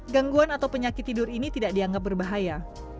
gangguan atau penyakit tidur ini tidak dianggap berbahaya